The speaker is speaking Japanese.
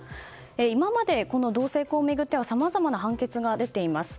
今まで、同性婚を巡ってはさまざまな判決が出ています。